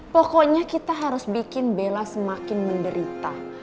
pokoknya kita harus bikin bella semakin menderita